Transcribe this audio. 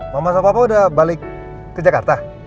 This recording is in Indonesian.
mama sama papa udah balik ke jakarta